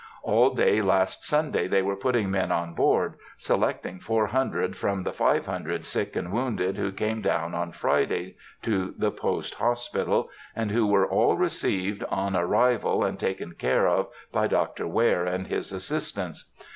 All day last Sunday they were putting men on board, selecting four hundred from the five hundred sick and wounded who came down on Friday to the post hospital, and who were all received on arrival and taken care of by Dr. Ware and his assistants.